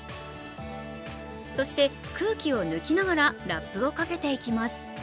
そして、空気を抜きながらラップをかけていきます。